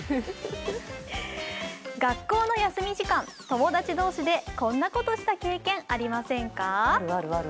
学校の休み時間、友達同士でこんなことした経験ありませんか？